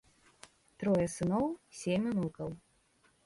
Трое сыноў, сем унукаў.